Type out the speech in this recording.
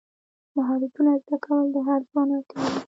مهارتونه زده کول د هر ځوان اړتیا ده.